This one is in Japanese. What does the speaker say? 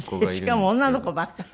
しかも女の子ばっかり。